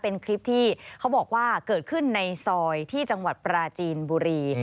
เป็นคลิปที่เขาบอกว่าเกิดขึ้นในซอยที่จังหวัดปราจีนบุรี